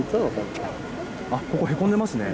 あっ、ここ、へこんでますね。